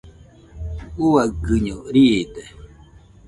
Uaikɨño riide.